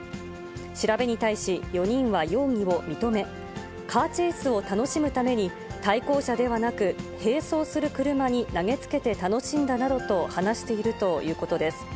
調べに対し、４人は容疑を認め、カーチェイスを楽しむために、対向車ではなく、並走する車に投げつけて楽しんだなどと話しているということです。